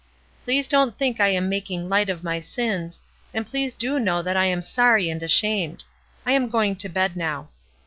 Please don't think I am making Hght of my sins, and please do know that I am sorry and ashamed. I am going to bed now.